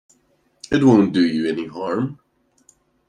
It won't do you any harm.